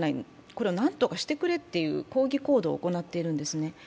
これを何とかしてくれと抗議行動を行っているんですね。